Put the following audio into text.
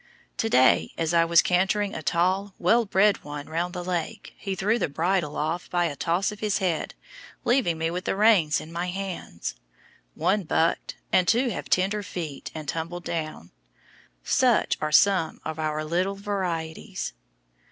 Today, as I was cantering a tall well bred one round the lake, he threw the bridle off by a toss of his head, leaving me with the reins in my hands; one bucked, and two have tender feet, and tumbled down. Such are some of our little varieties.